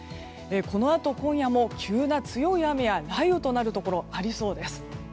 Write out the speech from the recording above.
このあと、今夜も急な強い雨や雷雨となるところがありそうです。